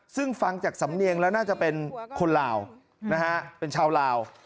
ซึ่งฟังจากสำเนียงแล้วน่าจะเป็นคนลาวนะฮะเป็นชาวลาว